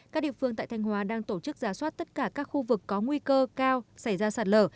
các địa phương tại thanh hóa đang tổ chức giả soát tất cả các khu vực có nguy cơ cao xảy ra sạt lở